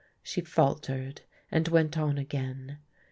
She faltered, and went on again.